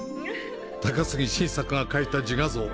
高杉晋作が描いた自画像。